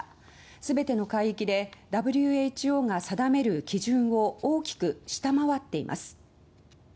全ての海域でＷＨＯが定める基準を大きく下回っています。